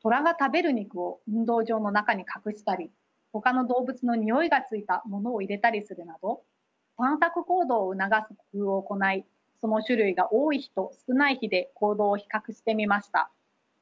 トラが食べる肉を運動場の中に隠したりほかの動物のにおいがついたものを入れたりするなど探索行動を促す工夫を行いその種類が多い日と少ない日で行動を比較してみました。